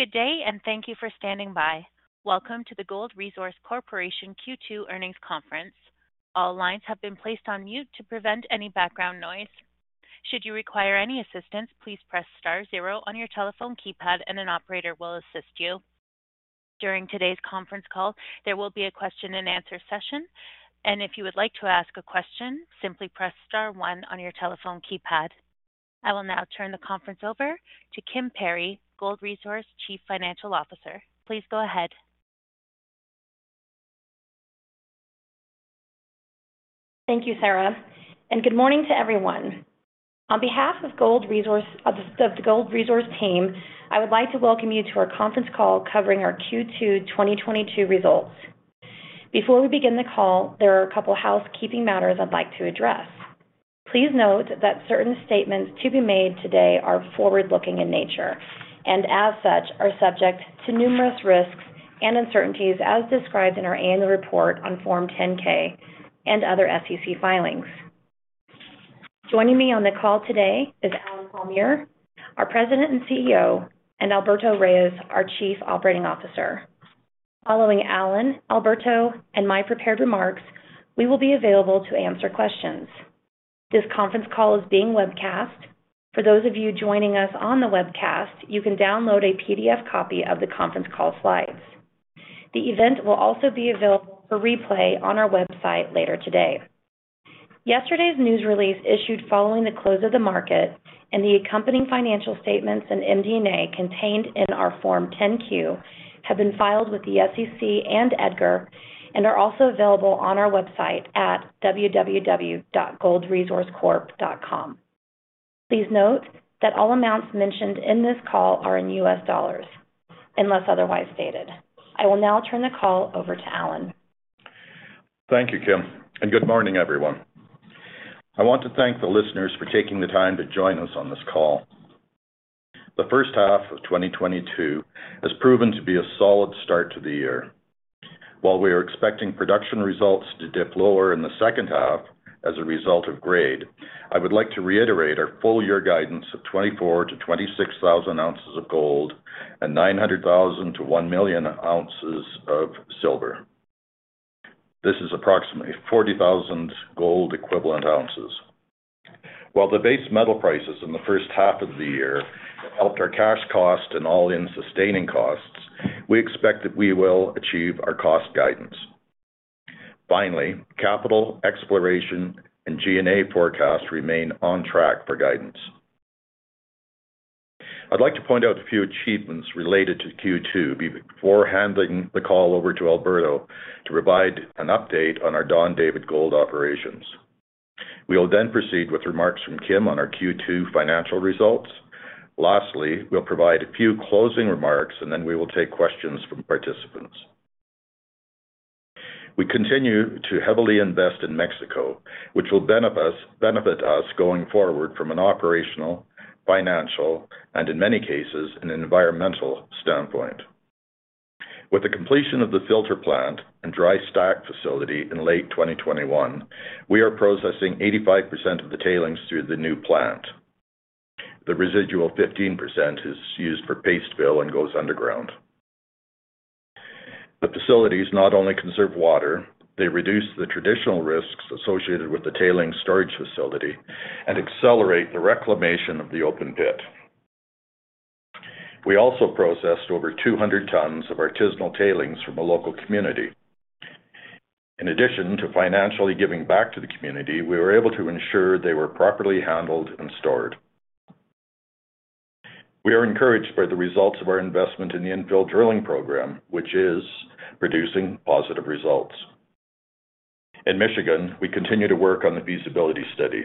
Good day, thank you for standing by. Welcome to the Gold Resource Corporation Q2 earnings conference. All lines have been placed on mute to prevent any background noise. Should you require any assistance, please press star zero on your telephone keypad and an operator will assist you. During today's conference call, there will be a question and answer session. If you would like to ask a question, simply press star one on your telephone keypad. I will now turn the conference over to Kim Perry, Gold Resource Chief Financial Officer. Please go ahead. Thank you, Sarah, and good morning to everyone. On behalf of Gold Resource, of the Gold Resource team, I would like to welcome you to our conference call covering our Q2 2022 results. Before we begin the call, there are a couple housekeeping matters I'd like to address. Please note that certain statements to be made today are forward-looking in nature, and as such, are subject to numerous risks and uncertainties as described in our annual report on Form 10-K and other SEC filings. Joining me on the call today is Allen Palmiere, our President and CEO, and Alberto Reyes, our Chief Operating Officer. Following Allen, Alberto, and my prepared remarks, we will be available to answer questions. This conference call is being webcast. For those of you joining us on the webcast, you can download a PDF copy of the conference call slides. The event will also be available for replay on our website later today. Yesterday's news release issued following the close of the market and the accompanying financial statements and MD&A contained in our Form 10-Q have been filed with the SEC and EDGAR and are also available on our website at www.goldresourcecorp.com. Please note that all amounts mentioned in this call are in US dollars unless otherwise stated. I will now turn the call over to Allen. Thank you, Kim, and good morning, everyone. I want to thank the listeners for taking the time to join us on this call. The first half of 2022 has proven to be a solid start to the year. While we are expecting production results to dip lower in the second half as a result of grade, I would like to reiterate our full-year guidance of 24,000-26,000 oz of gold and 900,000-1,000,000 oz of silver. This is approximately 40,000 gold equivalent ounces. While the base metal prices in the first half of the year helped our cash cost and all-in sustaining costs, we expect that we will achieve our cost guidance. Finally, capital exploration and G&A forecasts remain on track for guidance. I'd like to point out a few achievements related to Q2 before handing the call over to Alberto to provide an update on our Don David Gold Mine operations. We will then proceed with remarks from Kim on our Q2 financial results. Lastly, we'll provide a few closing remarks, and then we will take questions from participants. We continue to heavily invest in Mexico, which will benefit us going forward from an operational, financial, and in many cases, an environmental standpoint. With the completion of the filter plant and dry stack facility in late 2021, we are processing 85% of the tailings through the new plant. The residual 15% is used for paste fill and goes underground. The facilities not only conserve water, they reduce the traditional risks associated with the tailings storage facility and accelerate the reclamation of the open pit. We also processed over 200 tons of artisanal tailings from a local community. In addition to financially giving back to the community, we were able to ensure they were properly handled and stored. We are encouraged by the results of our investment in the infill drilling program, which is producing positive results. In Michigan, we continue to work on the feasibility study.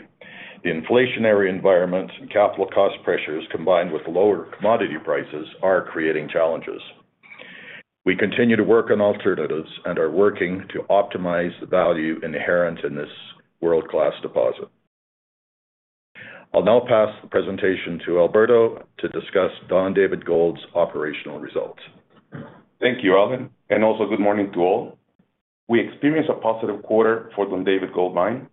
The inflationary environment and capital cost pressures, combined with lower commodity prices, are creating challenges. We continue to work on alternatives and are working to optimize the value inherent in this world-class deposit. I'll now pass the presentation to Alberto to discuss Don David Gold Mine's operational results. Thank you, Allen Palmiere, and also good morning to all. We experienced a positive quarter for Don David Gold Mine.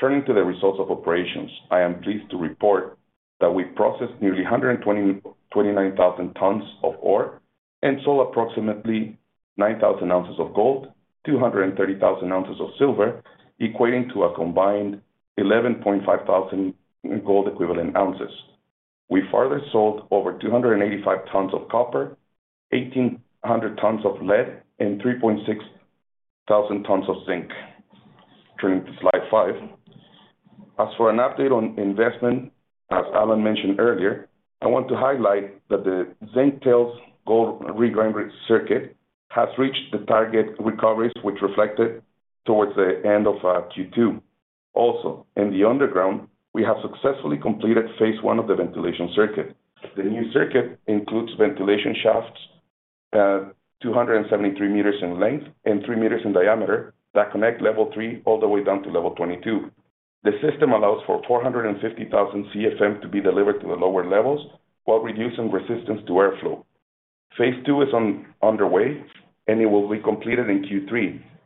Turning to the results of operations, I am pleased to report that we processed nearly 129,000 tons of ore and sold approximately 9,000 oz of gold, 230,000 oz of silver, equating to a combined 11,500 gold equivalent ounces. We further sold over 285 tons of copper, 1,800 tons of lead, and 3,600 tons of zinc. Turning to slide five. As for an update on investment, as Allen Palmiere mentioned earlier, I want to highlight that the zinc tailings regrind circuit has reached the target recoveries, which reflected towards the end of Q2. Also, in the underground, we have successfully completed phase I of the ventilation circuit. The new circuit includes ventilation shafts, 273 m in length and 3 m in diameter that connect level 3 all the way down to level 22. The system allows for 450,000 CFM to be delivered to the lower levels while reducing resistance to airflow. Phase II is underway, and it will be completed in Q3.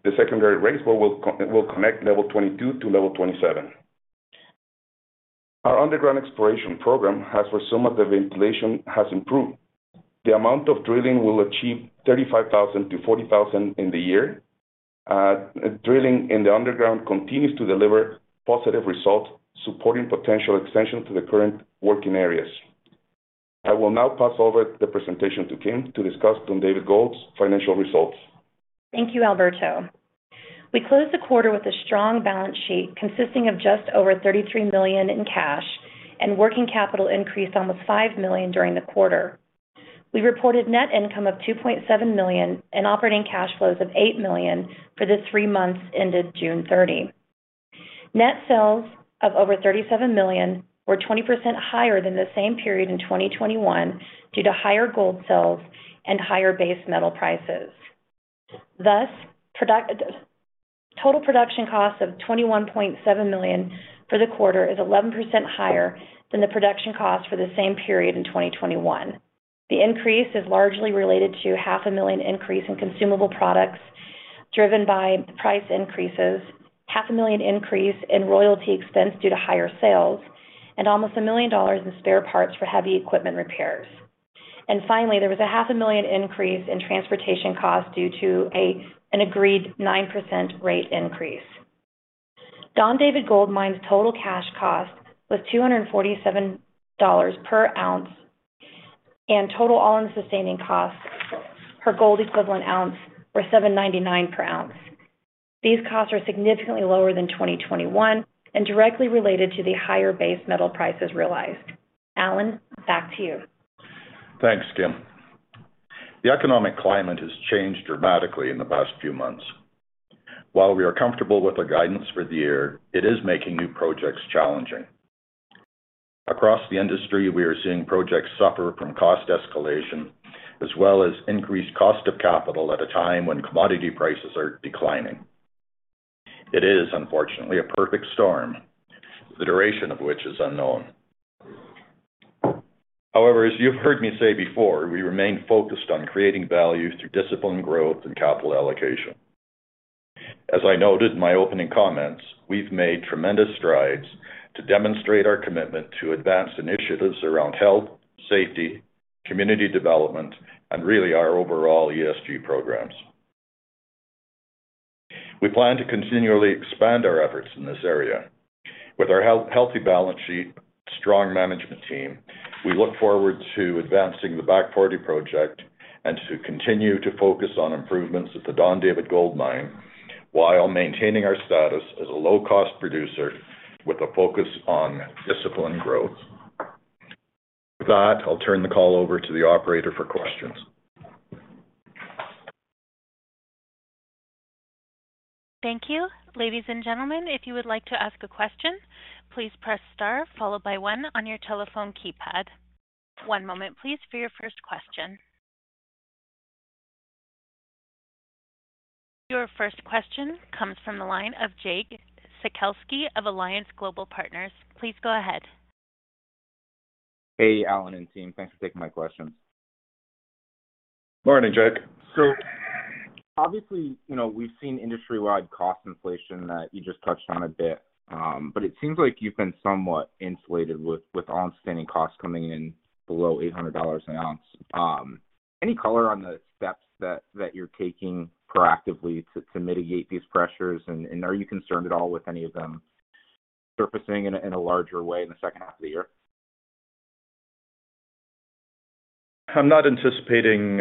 The secondary raise will connect level 22 to level 27. Our underground exploration program has resumed as the ventilation has improved. The amount of drilling will achieve 35,000 to 40,000 in the year. Drilling in the underground continues to deliver positive results, supporting potential expansion to the current working areas. I will now pass over the presentation to Kim to discuss Don David Gold's financial results. Thank you, Alberto. We closed the quarter with a strong balance sheet consisting of just over $33 million in cash and working capital increase almost $5 million during the quarter. We reported net income of $2.7 million and operating cash flows of $8 million for the three months ended June 30. Net sales of over $37 million were 20% higher than the same period in 2021 due to higher gold sales and higher base metal prices. Total production costs of $21.7 million for the quarter is 11% higher than the production cost for the same period in 2021. The increase is largely related to half a million increase in consumable products driven by price increases, 500,000 increase in royalty expense due to higher sales, and almost $1 million in spare parts for heavy equipment repairs. Finally, there was a 500,000 increase in transportation costs due to an agreed 9% rate increase. Don David Gold Mine's total cash cost was $247 per ounce, and total all-in sustaining costs per gold equivalent ounce were $799 per ounce. These costs are significantly lower than 2021 and directly related to the higher base metal prices realized. Allen, back to you. Thanks, Kim. The economic climate has changed dramatically in the past few months. While we are comfortable with the guidance for the year, it is making new projects challenging. Across the industry, we are seeing projects suffer from cost escalation as well as increased cost of capital at a time when commodity prices are declining. It is unfortunately a perfect storm, the duration of which is unknown. However, as you've heard me say before, we remain focused on creating value through disciplined growth and capital allocation. As I noted in my opening comments, we've made tremendous strides to demonstrate our commitment to advanced initiatives around health, safety, community development, and really our overall ESG programs. We plan to continually expand our efforts in this area. With our healthy balance sheet, strong management team, we look forward to advancing the Back Forty Project and to continue to focus on improvements at the Don David Gold Mine while maintaining our status as a low-cost producer with a focus on disciplined growth. With that, I'll turn the call over to the operator for questions. Thank you. Ladies and gentlemen, if you would like to ask a question, please press star followed by one on your telephone keypad. One moment please for your first question. Your first question comes from the line of Jake Sekelsky of Alliance Global Partners. Please go ahead. Hey, Alan and team. Thanks for taking my questions. Morning, Jake. Obviously, you know, we've seen industry-wide cost inflation that you just touched on a bit, but it seems like you've been somewhat insulated with outstanding costs coming in below $800 an ounce. Any color on the steps that you're taking proactively to mitigate these pressures? And are you concerned at all with any of them surfacing in a larger way in the second half of the year? I'm not anticipating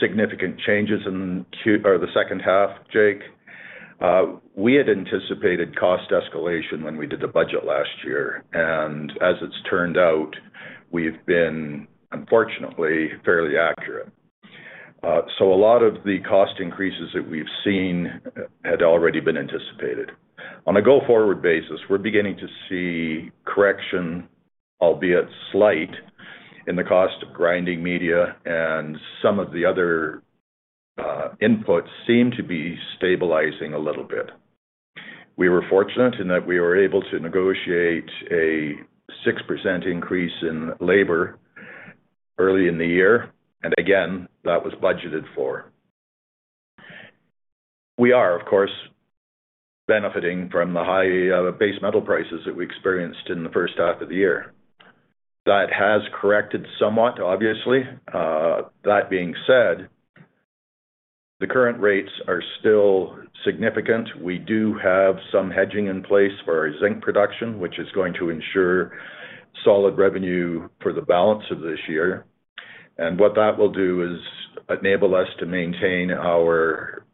significant changes in the second half, Jake. We had anticipated cost escalation when we did the budget last year, and as it's turned out, we've been, unfortunately, fairly accurate. A lot of the cost increases that we've seen had already been anticipated. On a go-forward basis, we're beginning to see correction, albeit slight, in the cost of grinding media, and some of the other inputs seem to be stabilizing a little bit. We were fortunate in that we were able to negotiate a 6% increase in labor early in the year, and again, that was budgeted for. We are, of course, benefiting from the high base metal prices that we experienced in the first half of the year. That has corrected somewhat, obviously. That being said, the current rates are still significant. We do have some hedging in place for our zinc production, which is going to ensure solid revenue for the balance of this year. What that will do is enable us to maintain our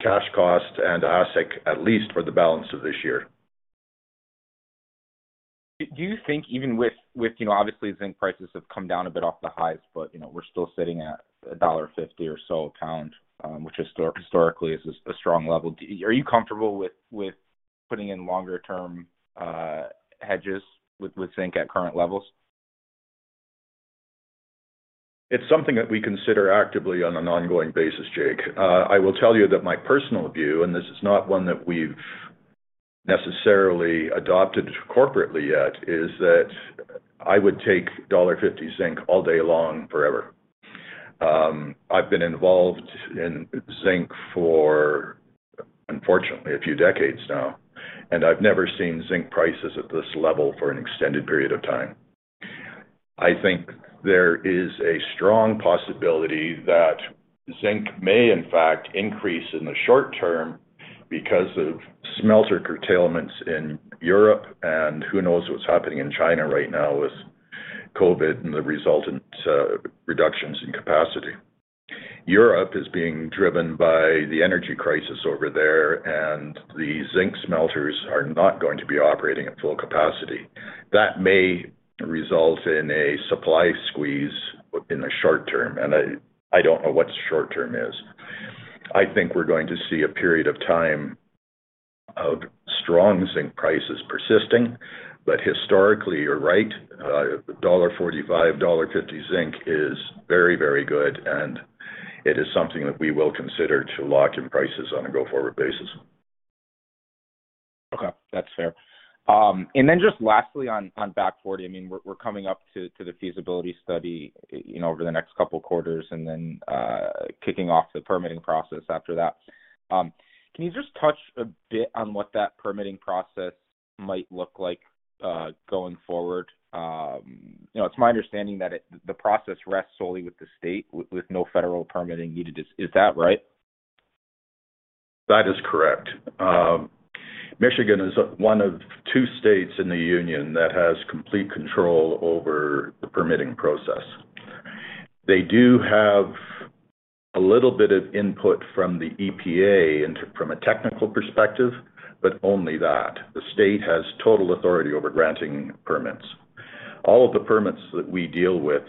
cash cost and AISC at least for the balance of this year. Do you think even with you know obviously zinc prices have come down a bit off the highs but you know we're still sitting at $1.50 or so a pound which historically is a strong level. Are you comfortable with putting in longer-term hedges with zinc at current levels? It's something that we consider actively on an ongoing basis, Jake. I will tell you that my personal view, and this is not one that we've necessarily adopted corporately yet, is that I would take $1.50 zinc all day long forever. I've been involved in zinc for, unfortunately, a few decades now, and I've never seen zinc prices at this level for an extended period of time. I think there is a strong possibility that zinc may, in fact, increase in the short-term because of smelter curtailments in Europe, and who knows what's happening in China right now with COVID and the resultant, reductions in capacity. Europe is being driven by the energy crisis over there, and the zinc smelters are not going to be operating at full capacity. That may result in a supply squeeze within the short-term, and I don't know what short-term is. I think we're going to see a period of time of strong zinc prices persisting. Historically, you're right. $45, $50 zinc is very, very good, and it is something that we will consider to lock in prices on a go-forward basis. Okay. That's fair. Just lastly on Back Forty, I mean, we're coming up to the feasibility study, you know, over the next couple quarters and then kicking off the permitting process after that. Can you just touch a bit on what that permitting process might look like going forward? You know, it's my understanding that the process rests solely with the state with no federal permitting needed. Is that right? That is correct. Michigan is one of two states in the union that has complete control over the permitting process. They do have a little bit of input from the EPA and from a technical perspective, but only that. The state has total authority over granting permits. All of the permits that we deal with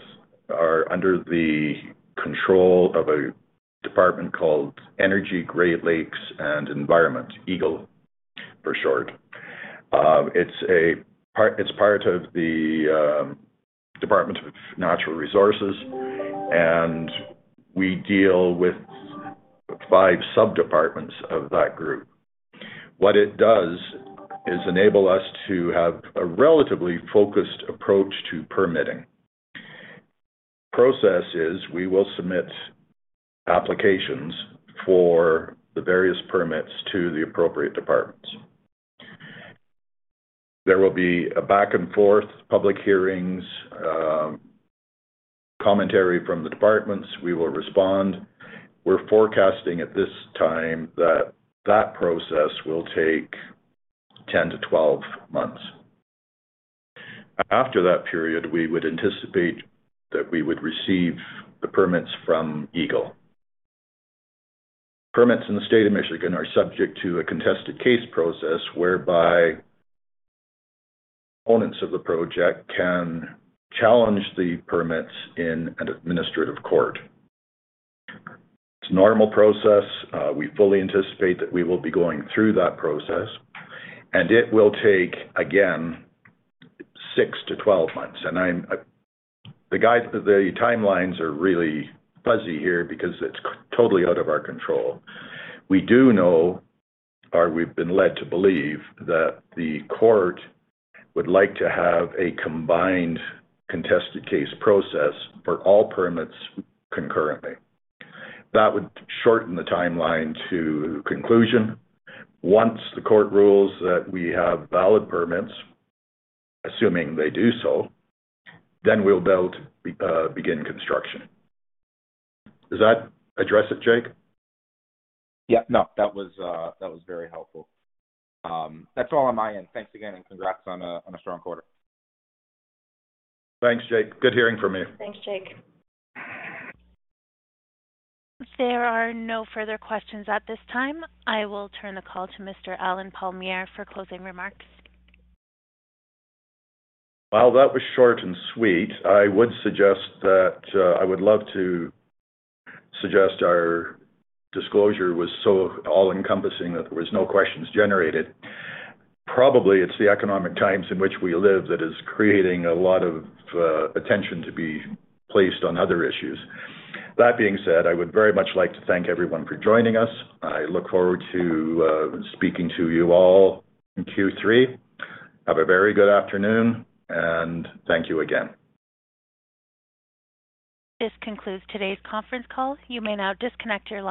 are under the control of the Department of Environment, Great Lakes, and Energy, EGLE for short. It's part of the Michigan Department of Natural Resources, and we deal with five sub-departments of that group. What it does is enable us to have a relatively focused approach to permitting. Process is, we will submit applications for the various permits to the appropriate departments. There will be a back and forth public hearings, commentary from the departments. We will respond. We're forecasting at this time that that process will take 10-12 months. After that period, we would anticipate that we would receive the permits from EGLE. Permits in the state of Michigan are subject to a contested case process whereby opponents of the project can challenge the permits in an administrative court. It's a normal process. We fully anticipate that we will be going through that process. It will take, again, 6-12 months. The timelines are really fuzzy here because it's totally out of our control. We do know, or we've been led to believe, that the court would like to have a combined contested case process for all permits concurrently. That would shorten the timeline to conclusion. Once the court rules that we have valid permits, assuming they do so, then we'll begin construction. Does that address it, Jake? Yeah. No, that was very helpful. That's all on my end. Thanks again, and congrats on a strong quarter. Thanks, Jake. Good hearing from you. Thanks, Jake. There are no further questions at this time. I will turn the call to Mr. Allen Palmiere for closing remarks. Well, that was short and sweet. I would love to suggest our disclosure was so all-encompassing that there was no questions generated. Probably it's the economic times in which we live that is creating a lot of attention to be placed on other issues. That being said, I would very much like to thank everyone for joining us. I look forward to speaking to you all in Q3. Have a very good afternoon, and thank you again. This concludes today's conference call. You may now disconnect your line.